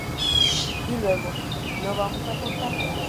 Y luego: "No, vamos a cortarlo".